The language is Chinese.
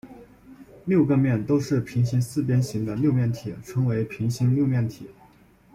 六个面都是平行四边形的六面体称为平行六面体。